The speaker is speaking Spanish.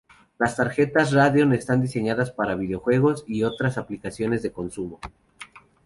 Las tarjetas Radeon están diseñadas para video juegos y otras aplicaciones de consumo.